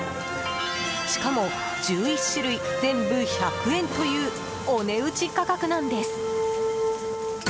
しかも１１種類全部１００円というお値打ち価格なんです。